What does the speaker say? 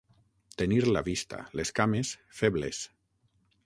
Tenir la vista, les cames, febles.